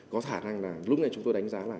có khả năng là lúc này chúng tôi đánh giá là